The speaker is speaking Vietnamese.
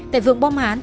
tại vườn bom hán